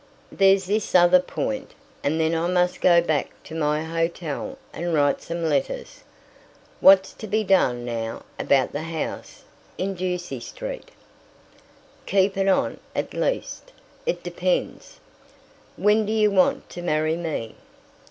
"There's this other point, and then I must go back to my hotel and write some letters. What's to be done now about the house in Ducie Street?" "Keep it on at least, it depends. When do you want to marry me?"